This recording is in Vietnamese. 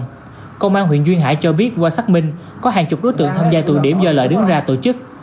cơ quan công an huyện duyên hải cho biết qua xác minh có hàng chục đối tượng tham gia tụi điểm do lợi đứng ra tổ chức